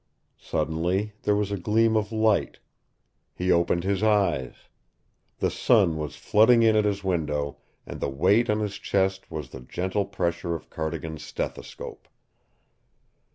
Suddenly there was a gleam of light. He opened his eyes. The sun was flooding in at his window, and the weight on his chest was the gentle pressure of Cardigan's stethoscope.